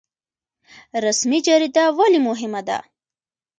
رسمي جریده ولې مهمه ده؟